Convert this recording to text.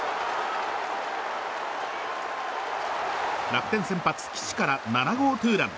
楽天先発、岸から７号ツーラン。